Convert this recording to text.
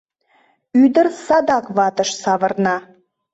Ӱдыр садак ватыш савырна.